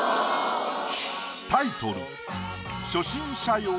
タイトル